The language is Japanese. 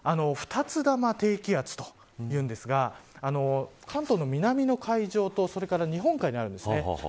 ２つ玉低気圧というんですが関東の南の海上とそれから日本海にあります。